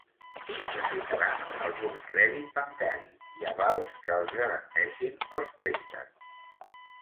Necessitaran algun crèdit bancari i avals que els garanteixin els préstecs.